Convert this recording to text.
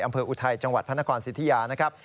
อุทัยจังหวัดพระนครสิทธิยานะครับ